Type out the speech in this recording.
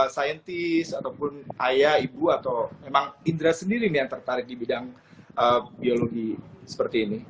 saintis ataupun ayah ibu atau memang indra sendiri nih yang tertarik di bidang biologi seperti ini